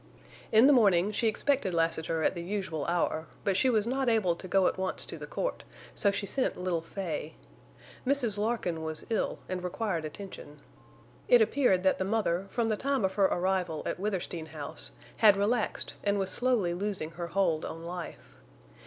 In the morning she expected Lassiter at the usual hour, but she was not able to go at once to the court, so she sent little Fay. Mrs. Larkin was ill and required attention. It appeared that the mother, from the time of her arrival at Withersteen House, had relaxed and was slowly losing her hold on life.